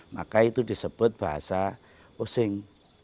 maka itu disebut bahasa osing